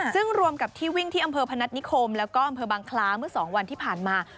ซึ่งรวมกับที่วิ่งที่อำเภอพนัฐนิคมแล้วก็อำเภอบางคล้าเมื่อ๒วันที่ผ่านมา